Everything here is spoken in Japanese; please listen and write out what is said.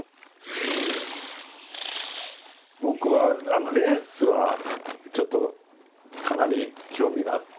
僕はレースはちょっとかなり興味があって。